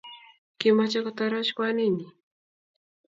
kimache kotoroch kwanit nyi